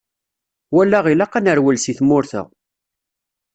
walaɣ ilaq ad nerwel seg tmurt-a.